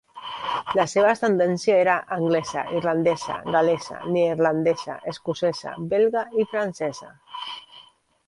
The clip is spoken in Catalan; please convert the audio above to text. La seva ascendència era anglesa, irlandesa, gal·lesa, neerlandesa, escocesa, belga i francesa.